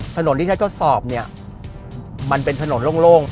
ถนนที่ใช้ทดสอบเนี่ยมันเป็นถนนโล่ง